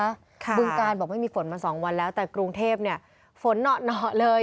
บึงการบอกว่าไม่มีฝนมา๒วันแล้วแต่กรุงเทพฯฝนหนอเลย